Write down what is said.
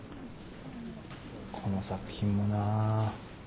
この作品もなあ。